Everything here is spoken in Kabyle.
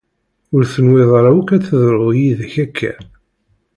Ur tenwiḍ ara akk ad teḍru yid-k akka.